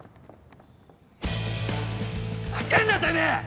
ざけんなてめえ！